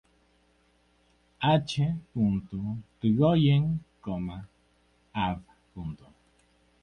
H. Yrigoyen, Av.